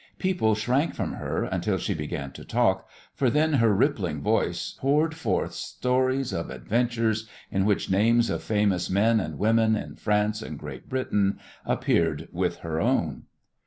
People shrank from her until she began to talk, for then her rippling voice poured forth stories of adventures in which names of famous men and women in France and Great Britain appeared with her own.